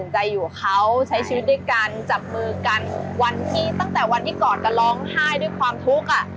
ใช้ชีวิตด้วยกันจับมือกันตั้งแต่วันที่ก่อนก็ร้องไห้ด้วยความทุกข์